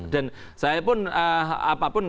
dan saya pun apapun